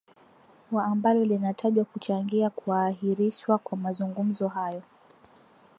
wa ambalo linatajwa kuchangia kuahirishwa kwa mazungumzo hayo